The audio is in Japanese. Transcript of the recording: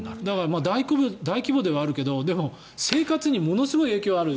大規模ではあるけど生活にものすごい影響がある。